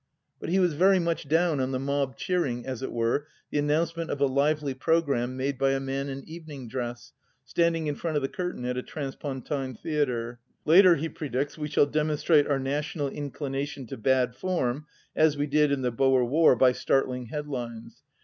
But he was very much down on the mob cheering, as it were, the announcement of a lively programme made by a man in evening dress, standing in front of the curtain at a transpontine theatre. Later, he predicts, we shall demon strate our national inclination to bad form, as we did in the Boer War, by startling headlines.